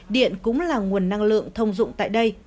điện cũng là nguồn năng lượng thông dụng tại đây